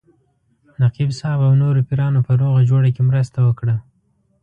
نقیب صاحب او نورو پیرانو په روغه جوړه کې مرسته وکړه.